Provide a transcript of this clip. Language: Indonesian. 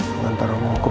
pengantar ilmu hukum